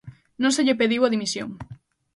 Non se lle pediu a dimisión.